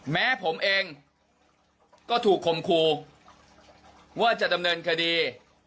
แม้ผมเองก็ถูกคมครูว่าจะดำเนินคดี